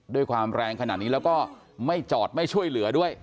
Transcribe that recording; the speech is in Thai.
ด้วยความแรงขนาดนี้แล้วก็ไม่จอดไม่ช่วยเหลือด้วย